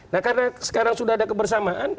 nah karena sekarang sudah ada kebersamaan